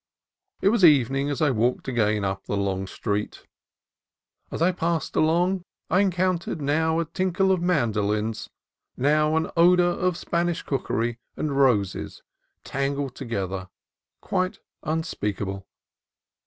It was evening as I walked again up the long street. THE OLD CHURCH OF SAN CARLOS 223 As I passed along, I encountered now a tinkle of mandolins, now an odor of Spanish cookery and roses tangled together, quite unspeakable.